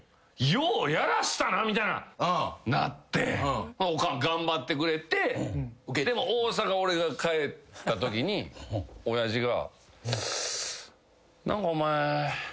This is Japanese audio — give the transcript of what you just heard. ようやらしたなみたいななっておかん頑張ってくれてでも大阪俺が帰ったときに親父が。